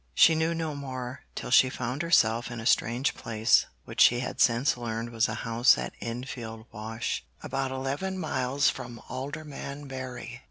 She knew no more till she found herself in a strange place which she had since learned was a house at Enfield Wash, about eleven miles from Aldermanbury.